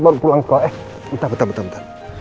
baru pulang sekolah eh bentar bentar bentar